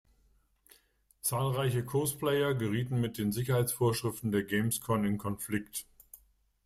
Zahlreiche Cosplayer gerieten mit den Sicherheitsvorschriften der Gamescom in Konflikt.